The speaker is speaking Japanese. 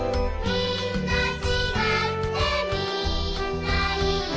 「みんなちがってみんないい」